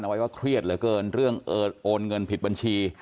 เอาไว้ว่าเครียดเหลือเกินเรื่องเอิญ